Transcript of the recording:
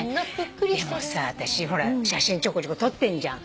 でもさ私ほら写真ちょこちょこ撮ってんじゃん。